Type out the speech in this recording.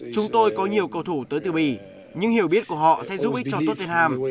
chúng tôi có nhiều cầu thủ tới từ bỉ nhưng hiểu biết của họ sẽ giúp ích cho tottenham